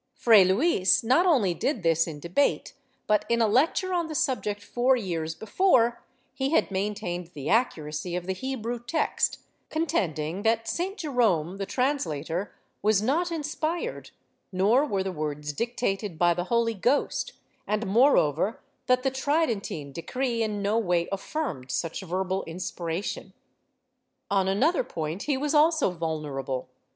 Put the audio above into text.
"^ Fray Luis not only did this in debate but, in a lecture on the subject four years before, he had maintained the accuracy of the Hebrew text, contending that St. Jerome the translator was not inspired, nor were the words dictated by the Holy Ghost, and moreover that the Tridentine decree in no way affirmed such verbal inspiration.^ On another point he was also vulnerable.